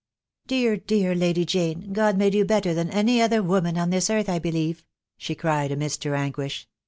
"Dear, dear Lady Jane, God made you better than any other woman on this earth, I believe," she cried amidst her anguish.